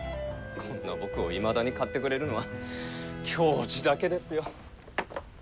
こんな僕をいまだに買ってくれるのは教授だけですよ。